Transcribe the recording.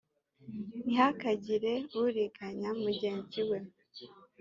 ntihakagire uriganya mugenzi we